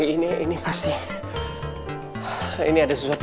ini nih because